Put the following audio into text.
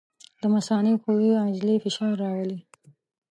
د مثانې ښویې عضلې فشار راولي.